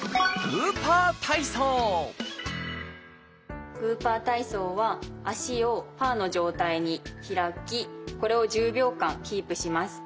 グーパー体操は足をパーの状態に開きこれを１０秒間キープします。